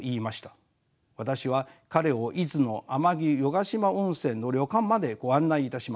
私は彼を伊豆の天城湯ヶ島温泉の旅館までご案内いたしました。